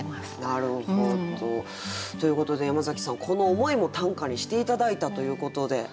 なるほど。ということで山崎さんこの思いも短歌にして頂いたということでご紹介